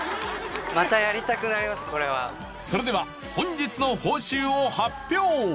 それでは本日の報酬を発表！